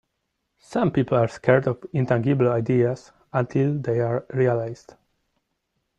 Some people are scared of intangible ideas until they are realized.